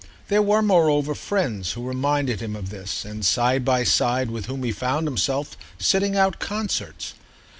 There were moreover friends who reminded him of this and side by side with whom he found himself sitting out concerts.